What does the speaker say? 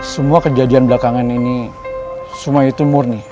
semua kejadian belakangan ini semua itu murni